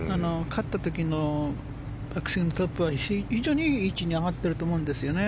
勝った時のバックスイングのトップは非常にいい位置に上がっていると思うんですよね。